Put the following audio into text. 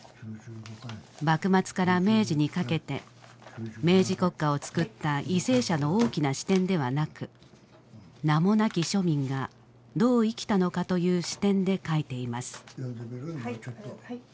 幕末から明治にかけて明治国家をつくった為政者の大きな視点ではなく名もなき庶民がどう生きたのかという視点で書いています。